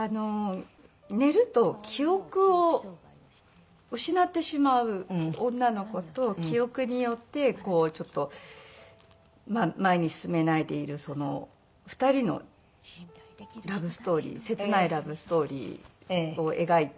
寝ると記憶を失ってしまう女の子と記憶によってちょっと前に進めないでいる２人のラブストーリー切ないラブストーリーを描いた映画なんですけど。